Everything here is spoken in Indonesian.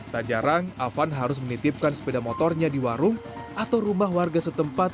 tak jarang afan harus menitipkan sepeda motornya di warung atau rumah warga setempat